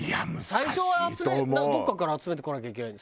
最初はどっかから集めてこなきゃいけない。